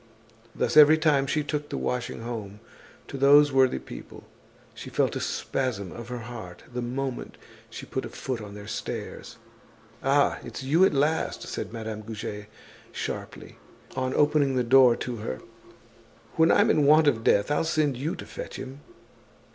Thus, every time she took the washing home to those worthy people, she felt a spasm of her heart the moment she put a foot on their stairs. "Ah! it's you, at last!" said Madame Goujet sharply, on opening the door to her. "When I'm in want of death, I'll send you to fetch him."